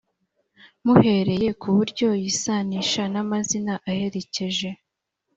muhereye ku buryo yisanisha n’amazina aherekeje,